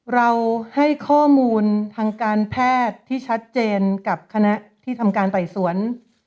เราให้ข้อมูลทางการแพทย์ที่ชัดเจนกับคณะที่ทำการไต่สวน